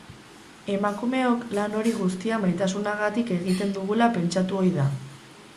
Emakumeok lan hori guztia maitasunagatik egiten dugula pentsatu ohi da.